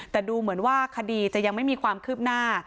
แต่ดูเหมือนว่าคดีจะยังไม่มีความคืบหน้า